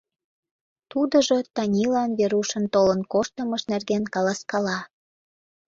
Тудыжо Танилан Верушын толын коштмыж нерген каласкала.